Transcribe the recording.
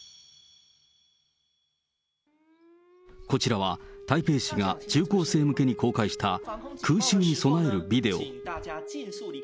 こちらは、台北市が中高生向けに公開した、空襲に備えるビデオ。